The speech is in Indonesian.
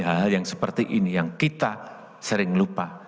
hal hal yang seperti ini yang kita sering lupa